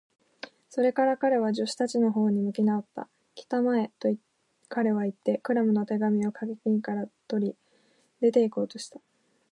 それから彼は、助手たちのほうに向きなおった。「きたまえ！」と、彼はいって、クラムの手紙をかけ金から取り、出ていこうとした。